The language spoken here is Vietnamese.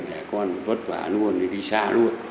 để con vất vả luôn thì đi xa luôn